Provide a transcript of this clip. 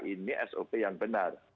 ini sop yang benar